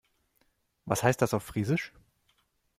Was heißt das auf Friesisch?